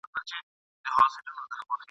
یوه ورځ به داسي راسي چي به پیل سي مکتبونه !.